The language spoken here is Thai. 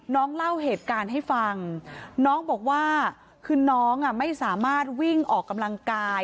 เล่าเหตุการณ์ให้ฟังน้องบอกว่าคือน้องไม่สามารถวิ่งออกกำลังกาย